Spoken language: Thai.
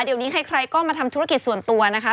เดี๋ยวนี้ใครก็มาทำธุรกิจส่วนตัวนะคะ